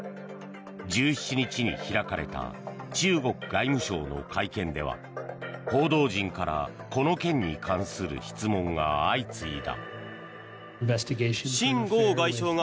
１７日に開かれた中国外務省の会見では報道陣からこの件に関する質問が相次いだ。